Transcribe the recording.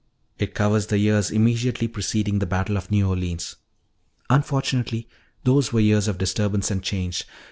It covers the years immediately preceding the Battle of New Orleans. Unfortunately, those were years of disturbance and change.